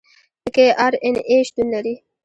پکې آر این اې شتون لري.